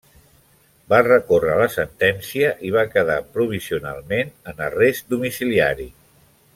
Va recórrer la sentència i va quedar provisionalment en arrest domiciliari.